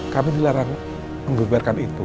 kami dilarang membebarkan itu